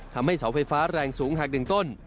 ทำให้เสาไฟฟ้าแรงสูงหัก๑ต้น